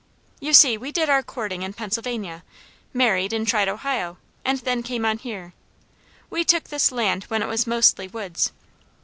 You see we did our courting in Pennsylvania, married and tried Ohio, and then came on here. We took this land when it was mostly woods.